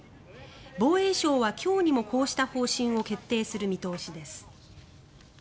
防衛省は今日にもこうした方針を決定する見通しです。